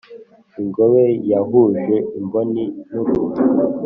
ingobe yahuje imboni n’irugu.